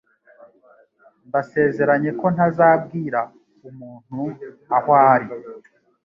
Ndasezeranye ko ntazabwira umuntu aho ari.